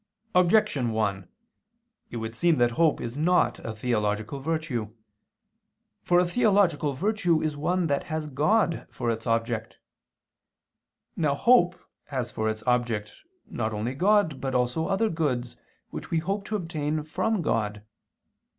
Objection 1: It would seem that hope is not a theological virtue. For a theological virtue is one that has God for its object. Now hope has for its object not only God but also other goods which we hope to obtain from God.